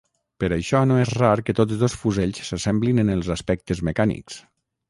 Per això no és rar que tots dos fusells s'assemblin en els aspectes mecànics.